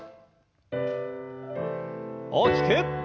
大きく。